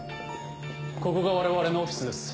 ここが我々のオフィスです。